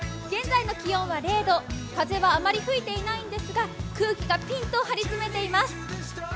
現在の気温は０度、風はあまり吹いていないんですが空気がぴんと張りつめています。